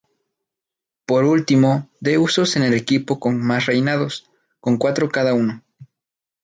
Por último, The Usos es el equipo con más reinados, con cuatro cada uno.